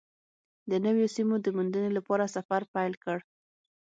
د نویو سیمو د موندنې لپاره سفر پیل کړ.